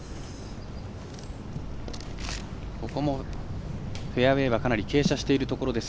ここもフェアウエーはかなり傾斜しているところです。